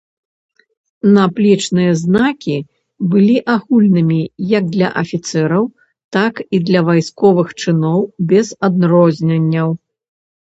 Наплечныя знакі былі агульнымі як для афіцэраў, так і для вайсковых чыноў, без адрозненняў.